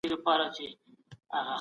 تاریخ مه بدلوئ.